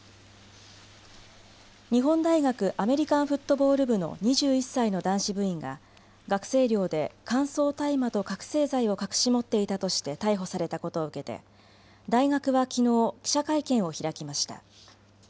日本大学アメリカンフットボール部の２１歳の男子部員が学生寮で乾燥大麻と覚醒剤を隠し持っていたとして逮捕されたことを受けて、大学はきのう、記者会見を開きました。